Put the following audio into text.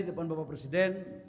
di depan bapak presiden